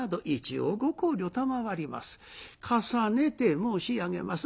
重ねて申し上げます。